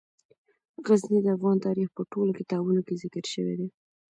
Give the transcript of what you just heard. غزني د افغان تاریخ په ټولو کتابونو کې ذکر شوی دی.